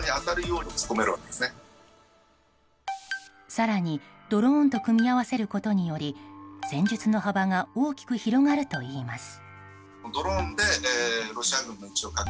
更に、ドローンと組み合わせることにより戦術の幅が大きく広がるといいます。